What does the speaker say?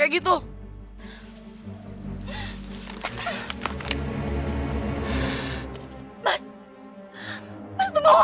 aku mau ke rumah